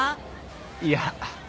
いや。